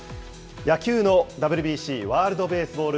野球のＷＢＣ・ワールドベースボール